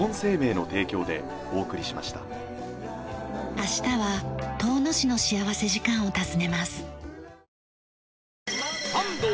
明日は遠野市の幸福時間を訪ねます。